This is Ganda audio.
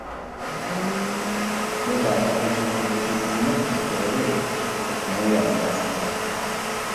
nneetaaga ekintu ekingumya nsobole okumwerabira.